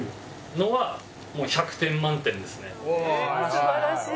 素晴らしい！